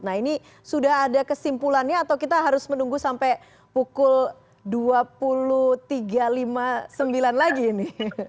nah ini sudah ada kesimpulannya atau kita harus menunggu sampai pukul dua puluh tiga lima puluh sembilan lagi ini